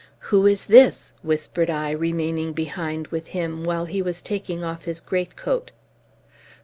"Who is this?" whispered I, remaining behind with him, while he was taking off his greatcoat.